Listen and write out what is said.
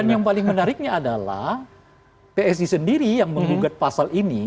dan yang paling menariknya adalah psi sendiri yang menggugat pasal ini